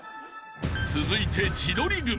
［続いて千鳥軍］